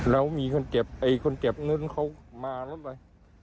แล้วมีคนเจ็บไอ้คนเจ็บนึงเขามาแล้วไป